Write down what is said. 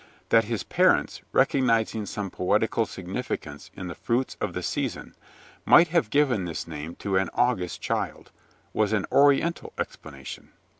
That his parents, recognizing some poetical significance in the fruits of the season, might have given this name to an August child, was an oriental explanation.